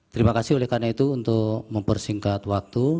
terima kasih oleh karena itu untuk mempersingkat waktu